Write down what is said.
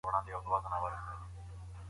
ښوونکی لارښوونه کوي او تدريس اغېزمن کېږي.